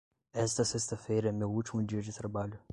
Esta sexta-feira é meu último dia de trabalho.